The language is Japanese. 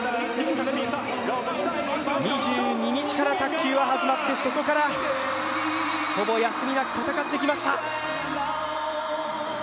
２２日から卓球は始まって、そこからほぼ休みなく戦ってきました。